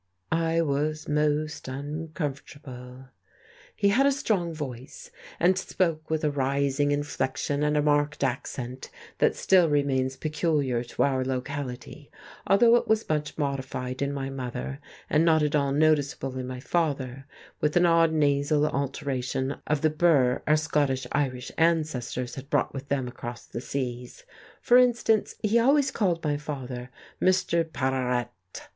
I was most uncomfortable.... He had a strong voice, and spoke with a rising inflection and a marked accent that still remains peculiar to our locality, although it was much modified in my mother and not at all noticeable in my father; with an odd nasal alteration of the burr our Scotch Irish ancestors had brought with them across the seas. For instance, he always called my father Mr. Par r ret.